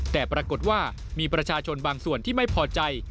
แต่ปรากฏว่ามีประชาชนบางส่วนที่ไม่พอใจ